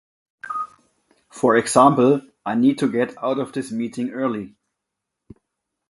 For example, "I need to get out of this meeting early."